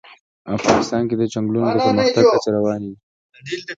افغانستان کې د چنګلونه د پرمختګ هڅې روانې دي.